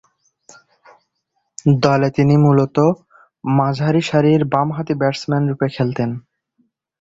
দলে তিনি মূলতঃ মাঝারি সারির বামহাতি ব্যাটসম্যানরূপে খেলতেন।